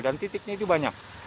dan titiknya itu banyak